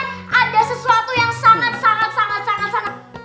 soalnya ada sesuatu yang sangat sangat sangat sangat penting